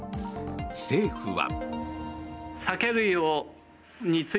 政府は。